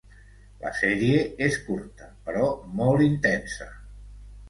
La sèrie és curta, però molt intensa.